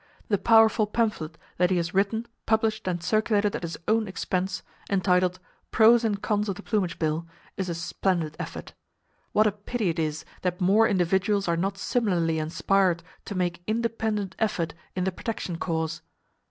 The powerful pamphlet that he has written, published and circulated at his own expense, entitled "Pros and Cons of the Plumage Bill," is a splendid effort. What a pity it is that more individuals are not similarly inspired to make independent effort in the protection cause!